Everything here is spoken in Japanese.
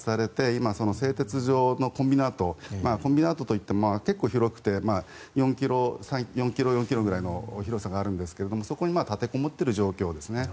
今、製鉄所のコンビナートコンビナートといっても結構広くて４ｋｍ、４ｋｍぐらいの広さがあるんですがそこに立てこもっている状況ですね。